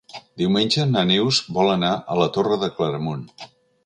Diumenge na Neus vol anar a la Torre de Claramunt.